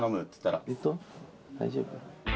大丈夫？